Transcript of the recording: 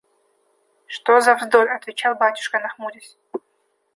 – Что за вздор! – отвечал батюшка нахмурясь.